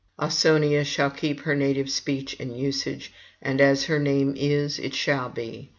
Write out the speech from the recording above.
Ausonia shall keep her native speech and usage, and as her name is, it shall be.